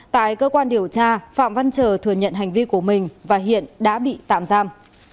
tại cơ quan điều tra phạm văn trờ thừa nhận hành vi của mình và hiện đã bị tạm giam